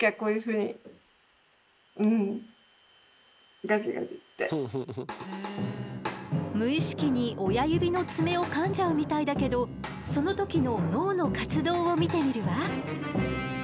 いやそれは無意識に親指の爪をかんじゃうみたいだけどその時の脳の活動を見てみるわ。